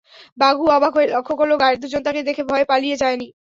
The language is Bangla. বাঘুয়া অবাক হয়ে লক্ষ করল, গার্ড দুজন তাকে দেখে ভয়ে পালিয়ে যায়নি।